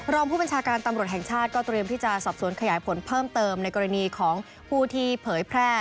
รองผู้บัญชาการตำรวจแห่งชาติก็เตรียมที่จะสอบสวนขยายผลเพิ่มเติมในกรณีของผู้ที่เผยแพร่